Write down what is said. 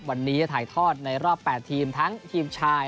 วันนี้ถ่ายทอดในรอบ๘ทีมทั้งทีมชายและก็ทีมหญิง